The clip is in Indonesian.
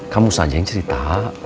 kamu saja yang cerita